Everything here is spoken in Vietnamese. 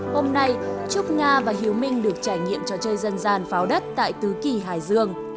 hôm nay chúc nga và hiếu minh được trải nghiệm trò chơi dân gian pháo đất tại tứ kỳ hải dương